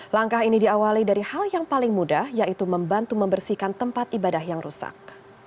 langkah ini diawali dari hal yang paling mudah yaitu membantu membersihkan tempat ibadah yang rusak